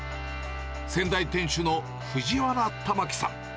先代店主の藤原環さん。